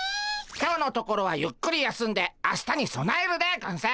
今日のところはゆっくり休んで明日にそなえるでゴンス！